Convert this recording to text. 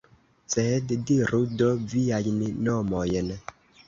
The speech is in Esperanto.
Sed diru do viajn nomojn!